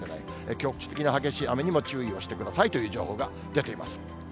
局地的な激しい雨にも注意をしてくださいという情報が出ています。